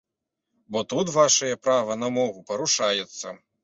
Бо тут вашае права на мову парушаецца.